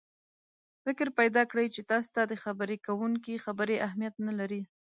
فکر پیدا کړي چې تاسې ته د خبرې کوونکي خبرې اهمیت نه لري.